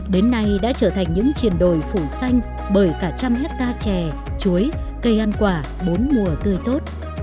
đến nay đã trở thành những triền đồi phủ xanh bởi cả một trăm linh hectare chè chuối cây ăn quả bốn mùa tươi tốt